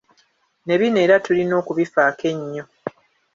Ne bino era tulina okubifaako ennyo.